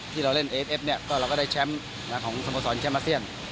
ที่เราเล่นเอฟเอฟเนี่ยก็เราก็ได้แชมป์ของสโมสรแชมป์อาเซียน